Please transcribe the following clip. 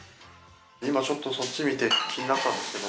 今ちょっとそっち見て気になったんですけど。